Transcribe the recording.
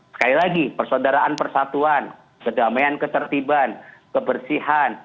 sekali lagi persaudaraan persatuan kedamaian ketertiban kebersihan